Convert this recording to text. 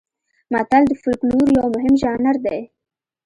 متل د فولکلور یو مهم ژانر دی